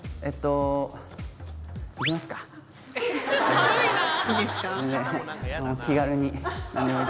軽いなぁ。